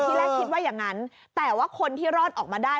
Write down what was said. แรกคิดว่าอย่างนั้นแต่ว่าคนที่รอดออกมาได้